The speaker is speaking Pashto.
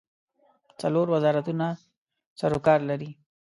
څلور وزارتونه سروکار لري.